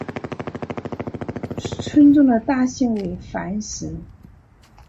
村中的大姓为樊氏。